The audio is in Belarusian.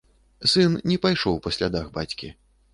Сын не пайшоў па слядах бацькі.